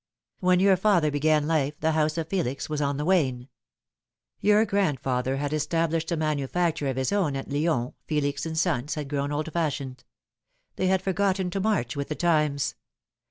When your father began life the house of Felix was on the wane. Your grand father had established a manufactory of his own at Lyons. Felix & Sons had grown old fashioned. They had forgotten to march with the times.